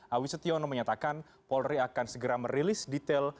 awisetyono menyatakan polri akan segera merilis detail